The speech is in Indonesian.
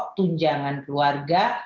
dan penjagaan keluarga